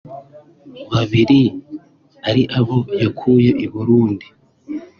babiri ari abo yakuye i Burundi